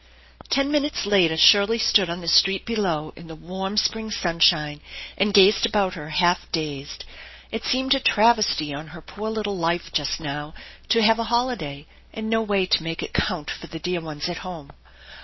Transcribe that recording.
Ten minutes later Shirley stood on the street below in the warm spring sunshine, and gazed about her half dazed. It seemed a travesty on her poor little life just now to have a holiday and no way to make it count for the dear ones at home.